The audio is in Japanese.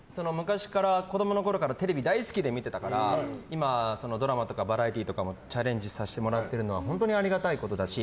子供のころからテレビが大好きで見てたから今ドラマとかバラエティーとかもチャレンジさせてもらっているのは本当にありがたいことだし。